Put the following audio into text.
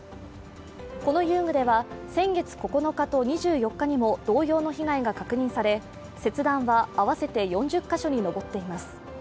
この遊具では、先月９日と２４日にも同様の被害が確認され切断は合わせて４０カ所に上っています。